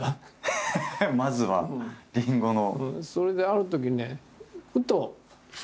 まずはりんごの。